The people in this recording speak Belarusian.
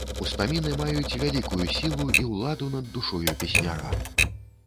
Успаміны маюць вялікую сілу і ўладу над душою песняра.